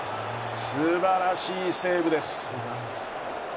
素晴らしいセーブです。